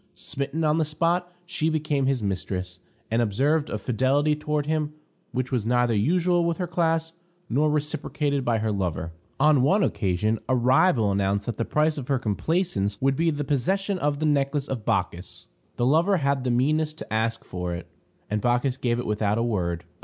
Smitten on the spot, she became his mistress, and observed a fidelity toward him which was neither usual with her class, nor reciprocated by her lover. On one occasion, a rival announced that the price of her complaisance would be the possession of the necklace of Bacchis. The lover had the meanness to ask for it, and Bacchis gave it without a word.